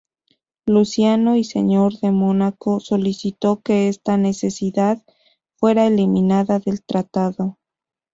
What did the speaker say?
Luciano I, Señor de Mónaco, solicitó que esta necesidad fuera eliminada del tratado.